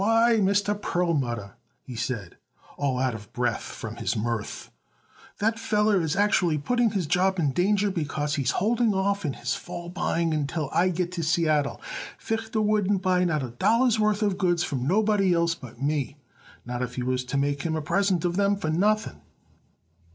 "Why, Mr. Perlmutter," he said, all out of breath from his mirth, "that feller is actually putting his job in danger because he's holding off in his fall buying until I get to Seattle. Fichter wouldn't buy not a dollar's worth of goods from nobody else but me, not if you was to make him a present of them for nothing."